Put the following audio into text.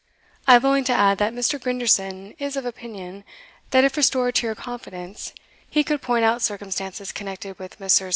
I have only to add, that Mr. Grinderson is of opinion, that if restored to your confidence, he could point out circumstances connected with Messrs.